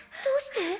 どうして？